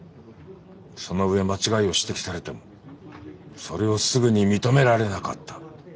その上間違いを指摘されてもそれをすぐに認められなかった。